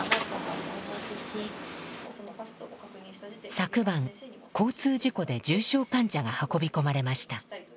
昨晩交通事故で重傷患者が運び込まれました。